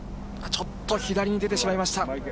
ちょっと左に出てしまいました。